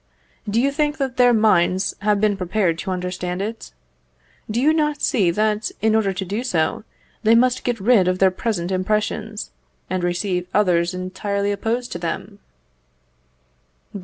Do you think that their minds have been prepared to understand it? Do you not see that, in order to do so, they must get rid of their present impressions, and receive others entirely opposed to them?